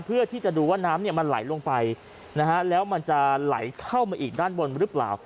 เพื่อที่จะดูว่าน้ำมันไหลลงไปนะฮะแล้วมันจะไหลเข้ามาอีกด้านบนหรือเปล่า